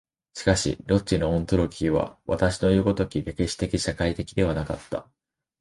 しかしロッチェのオントロギーは私のいう如き歴史的社会的ではなかった。